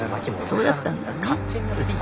そうだったんだね。